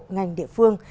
ngành địa phương